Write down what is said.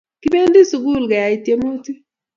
kipendi sikul keyai tiemuti